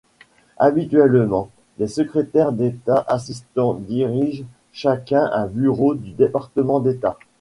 Habituellement, les secrétaires d'États assistant dirigent chacun un bureau du département d'État.